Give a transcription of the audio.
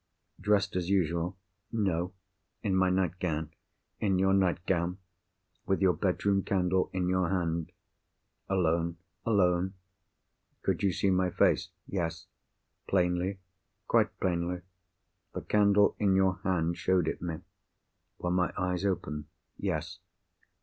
"Dressed as usual?" "No." "In my nightgown?" "In your nightgown—with your bedroom candle in your hand." "Alone?" "Alone." "Could you see my face?" "Yes." "Plainly?" "Quite plainly. The candle in your hand showed it to me." "Were my eyes open?" "Yes."